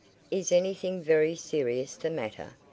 "Is anything very serious the matter?"